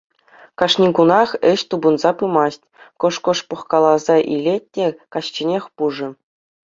Кашни кунах ĕç тупӑнсах пымасть, кӑшт-кӑшт пӑхкаласа илет те каҫченех пушӑ.